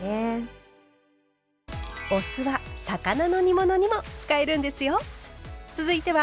お酢は魚の煮物にも使えるんですよ。